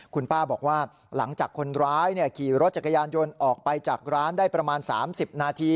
คุณป้าบอกว่าหลังจากคนร้ายขี่รถจักรยานยนต์ออกไปจากร้านได้ประมาณ๓๐นาที